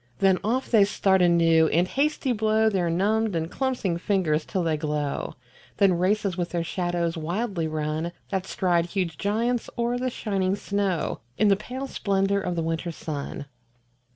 Then off they start anew and hasty blow Their numbed and clumpsing fingers till they glow; Then races with their shadows wildly run That stride huge giants o'er the shining snow In the pale splendour of the winter sun.